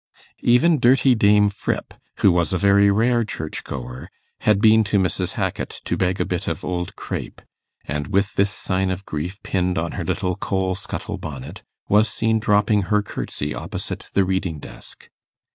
Even dirty Dame Fripp, who was a very rare church goer, had been to Mrs. Hackit to beg a bit of old crape, and with this sign of grief pinned on her little coal scuttle bonnet, was seen dropping her curtsy opposite the reading desk.